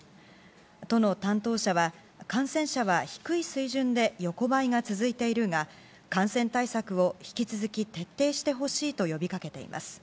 都の担当者は感染者は低い水準で横ばいが続いているが感染対策を引き続き徹底してほしいと呼びかけています。